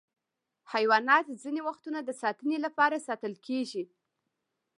حیوانات ځینې وختونه د ساتنې لپاره ساتل کېږي.